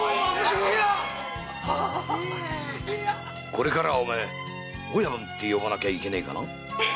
これからは“親分”って呼ばなきゃいけねえかな？